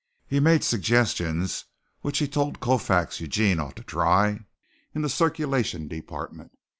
He made suggestions which he told Colfax Eugene ought to try in the circulation department.